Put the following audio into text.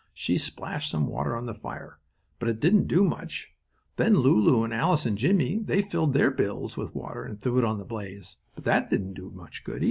She splashed some water on the fire, but it didn't do much good. Then Lulu and Alice and Jimmie, they filled their bills with water and threw it on the blaze, but that didn't do much good.